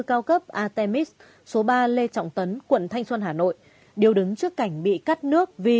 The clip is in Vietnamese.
cao cấp artemis số ba lê trọng tấn quận thanh xuân hà nội điều đứng trước cảnh bị cắt nước vì